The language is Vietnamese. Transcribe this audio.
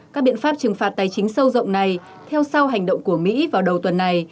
các biện pháp trừng phạt tài chính sâu rộng này theo sau hành động của mỹ vào đầu tuần này